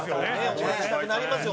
応援したくなりますよ